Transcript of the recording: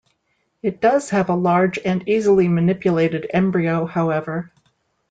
It does have a large and easily manipulated embryo, however.